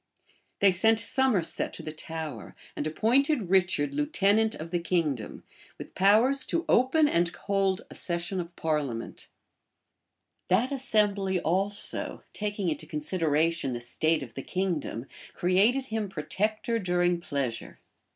They sent Somerset to the Tower, and appointed Richard lieutenant of the kingdom, with powers to open and hold a session of parliament.[*] * Rymer, vol. xi. p. 344. That assembly, also, taking into consideration the state of the kingdom, created him protector during pleasure.